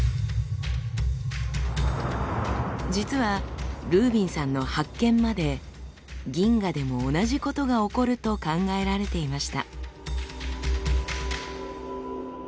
実はルービンさんの発見まで銀河でも同じことが起こると考えられていました。